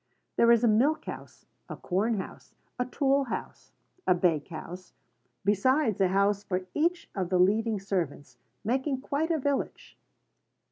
There is a milk house, a corn house, a tool house, a bake house, besides a house for each of the leading servants, making quite a village.